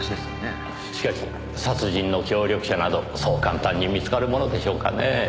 しかし殺人の協力者などそう簡単に見つかるものでしょうかねえ。